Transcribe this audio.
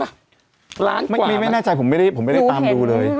ร้านกว่าค่ะดูเห็นมากจริงร้านกว่านะคะไม่หน้าใจผมไม่ได้ผมไม่ได้ตามดูเลย